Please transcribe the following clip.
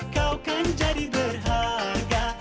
kau kan jadi berharga